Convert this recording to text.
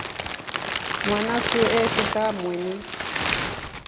Mwana su eshi kaa mwoni.